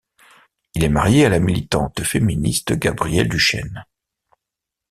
Il est marié à la militante féministe Gabrielle Duchêne.